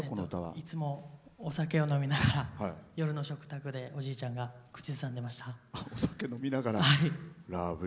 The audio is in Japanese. いつもお酒を飲みながら夜の食卓でおじいちゃんが口ずさんでました。